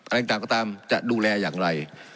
อะไรต่างก็ตามจะดูแลอย่างไร